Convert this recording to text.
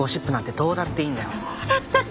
どうだってって！